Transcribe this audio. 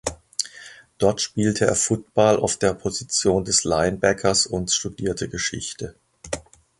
Dort spielte er Football auf der Position des Linebackers und studierte Geschichte.